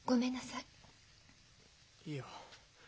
いいよ。